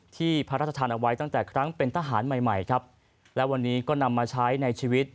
พระราชทานเอาไว้ตั้งแต่ครั้งเป็นทหารใหม่ใหม่ครับและวันนี้ก็นำมาใช้ในชีวิต